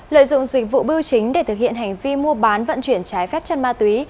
lợi dụng dịch vụ bưu chính để thực hiện hành vi mua bán vận chuyển trái phép chân ma túy